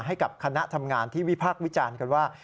ให้กับคณะทำงานที่วิพากษ์วิจารณ์กันว่า